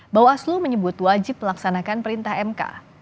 bawaslu menyebut wajib melaksanakan perintah mk